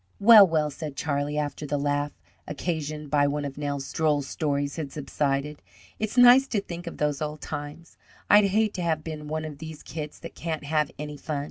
"Well, well," said Charlie, after the laugh occasioned by one of Nels' droll stories had subsided. "It's nice to think of those old times. I'd hate to have been one of these kids that can't have any fun.